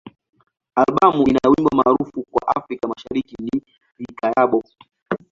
Albamu ina wimbo maarufu kwa Afrika Mashariki ni "Likayabo.